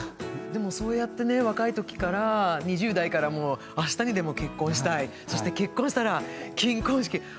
でもそうやってね若い時から２０代からもうあしたにでも結婚したいそして結婚したら金婚式。